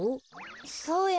そうや。